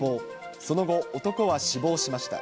その後、男は死亡しました。